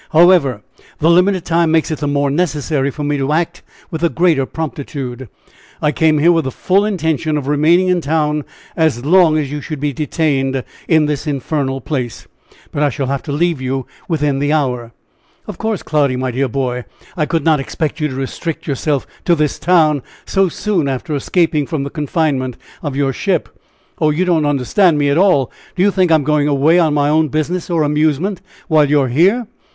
However, the limited time makes it the more necessary for me to act with the greater promptitude. I came here with the full intention of remaining in town as long as you should be detained in this infernal place, but I shall have to leave you within the hour." "Of course, Cloudy, my dear boy, I could not expect you to restrict yourself to this town so soon after escaping from the confinement of your ship!" "Oh! you don't understand me at all! Do you think I am going away on my own business, or amusement, while you are here?